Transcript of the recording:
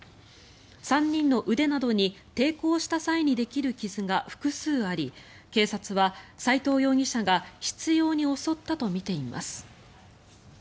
３人の腕などに抵抗した際にできる傷が複数あり警察は斎藤容疑者が執ように襲ったとみています。